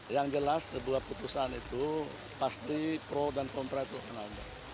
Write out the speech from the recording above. yang jelas sebuah putusan itu pasti pro dan kontra itu kena